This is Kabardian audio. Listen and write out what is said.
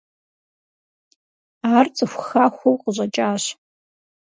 Ар цӏыху хахуэу къыщӏэкӏащ.